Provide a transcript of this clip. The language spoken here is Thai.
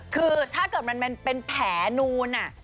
คือถ้าเกิดมันเป็นแผลนูน